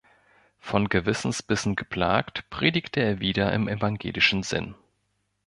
Von Gewissensbissen geplagt, predigte er wieder im evangelischen Sinn.